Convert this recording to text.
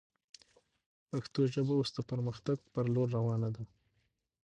پښتو ژبه اوس د پرمختګ پر لور روانه ده